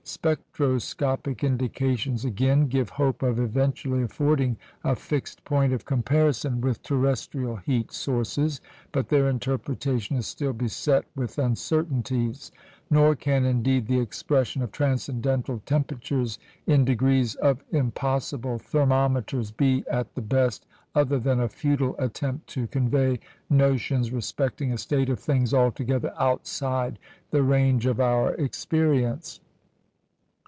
Spectroscopic indications, again, give hope of eventually affording a fixed point of comparison with terrestrial heat sources; but their interpretation is still beset with uncertainties; nor can, indeed, the expression of transcendental temperatures in degrees of impossible thermometers be, at the best, other than a futile attempt to convey notions respecting a state of things altogether outside the range of our experience.